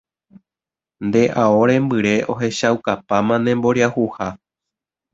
Nde ao rembyre ohechaukapáma nemboriahuha.